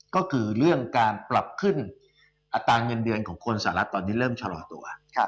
ก็คือเรื่องการปรับขึ้นอัตราเงินเดือนของคนสหรัฐตอนนี้เริ่มชะลอตัว